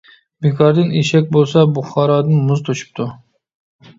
بىكاردىن ئېشەك بولسا، بۇخارادىن مۇز توشۇپتۇ.